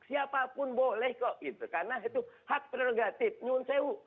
siapapun boleh kok karena itu hak prerogatif nyungun sewu